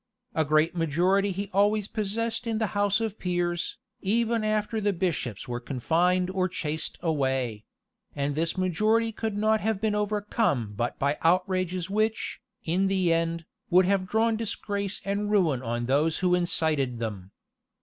A great majority he always possessed in the house of peers, even after the bishops were confined or chased away; and this majority could not have been overcome but by outrages which, in the end, would have drawn disgrace and ruin on those who incited them.